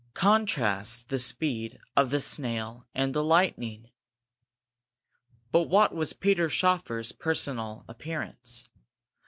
Contrast the speed of the snail and the lightning! But what was Peter Schoeffer's personal appearance?